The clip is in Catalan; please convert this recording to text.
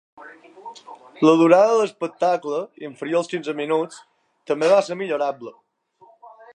La durada de l’espectacle, inferior als quinze minuts, també va ser millorable.